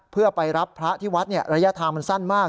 เพื่อไปรับพระที่วัดระยะทางมันสั้นมาก